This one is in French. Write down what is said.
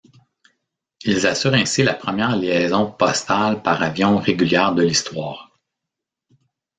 Ils assurent ainsi la première liaison postale par avion régulière de l'histoire.